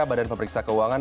badan pemeriksa keuangan